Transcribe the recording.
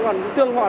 không ngờ ý